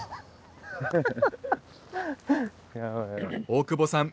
大久保さん